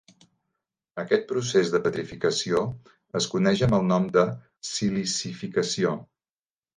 Aquest procés de petrificació es coneix amb el nom de silicificació.